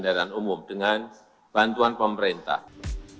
dan juga mengurangi penggunaan kendaraan berbasis fosil